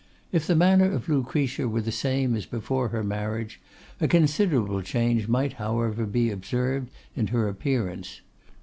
If the manner of Lucretia were the same as before her marriage, a considerable change might however be observed in her appearance.